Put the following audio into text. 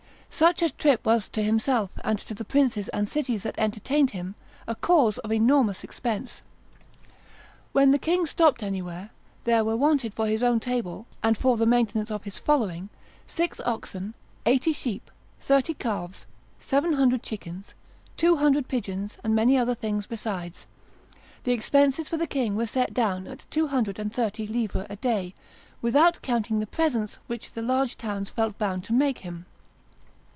Such a trip was to himself, and to the princes and cities that entertained him, a cause of enormous expense. "When the king stopped anywhere, there were wanted for his own table, and for the maintenance of his following, six oxen, eighty sheep, thirty calves, seven hundred chickens, two hundred pigeons, and many other things besides. The expenses for the king were set down at two hundred and thirty livres a day, without counting the presents which the large towns felt bound to make him."